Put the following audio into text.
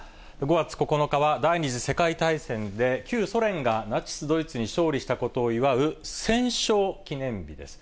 ５月９日は第２次世界大戦で、旧ソ連がナチス・ドイツに勝利したことを祝う、戦勝記念日です。